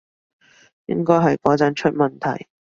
應該係嗰陣出問題